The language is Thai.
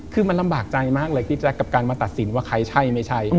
คือมันลำบากใจมากเลยพี่แจ๊คกับการมาตัดสินว่าใครใช่ไม่ใช่